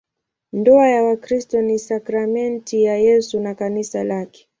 Ndoa ya Wakristo ni sakramenti ya Yesu na Kanisa lake.